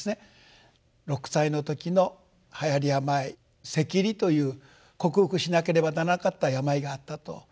６歳の時のはやり病赤痢という克服しなければならなかった病があったと。